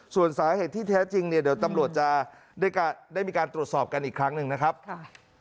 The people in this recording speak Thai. ส่วนสาเหตุที่แท้จริงเนี่ยเดี๋ยวตำรวจจะได้มีการตรวจสอบกันอีกครั้งหนึ่งนะครับ